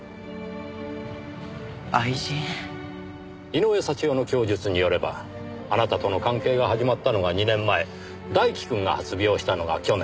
井上祥代の供述によればあなたとの関係が始まったのが２年前大輝くんが発病したのが去年。